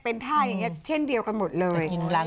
เป็นท่าอย่างนี้เช่นเดียวกันหมดเลย